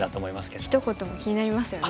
ひと言も気になりますよね。